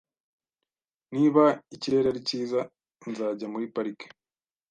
Niba ikirere ari cyiza, nzajya muri parike